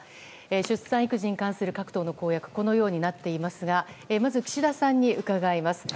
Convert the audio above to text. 出産育児に関する各党の公約はこのようになっていますがまず岸田さんに伺います。